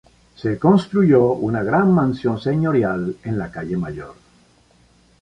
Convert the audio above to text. Se construyó una gran mansión señorial en la calle Mayor.